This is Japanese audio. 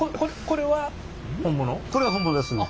これは本物ですね。